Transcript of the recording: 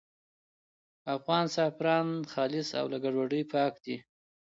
افغان زعفران خالص او له ګډوډۍ پاک دي.